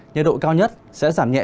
nhiệt độ cao nhất sẽ giảm nhẹ